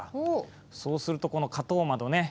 そうすると、この花頭窓ね。